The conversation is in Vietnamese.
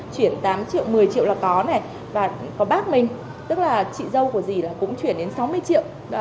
chuyển tám triệu một mươi triệu là có này và có bác mình tức là chị dâu của dì là cũng chuyển đến sáu mươi triệu